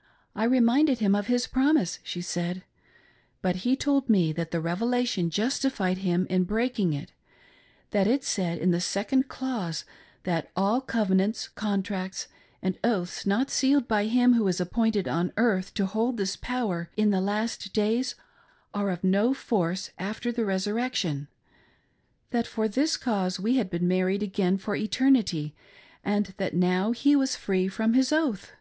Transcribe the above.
" I reminded him of his promise," she said, "but he told me that the Revelation justified him in breaking it ; that it said in the second clause that ' All covenants, contracts, and oaths not sealed by him who is appointed on earth to hold this power in the last days are of no force after the resurrection' ; that for this cause we had been married again for eternity, and that now he was free from his oath.